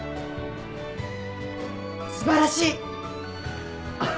素晴らしい！